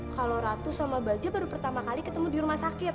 kalau ratu sama baja baru pertama kali ketemu di rumah sakit